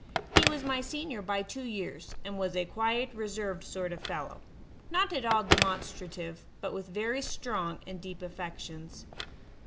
He was my senior by two years, and was a quiet, reserved sort of fellow not at all demonstrative, but with very strong and deep affections.